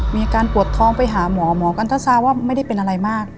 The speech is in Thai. มีอาการปวดท้องไปหาหมอหมอกันถ้าทราบว่าไม่ได้เป็นอะไรมาก